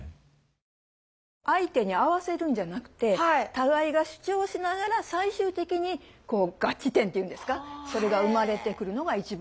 相手に合わせるんじゃなくて互いが主張しながら最終的に合致点っていうんですかそれが生まれてくるのが一番いいようですね。